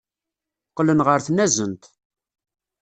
Qqlen ɣer tnazent.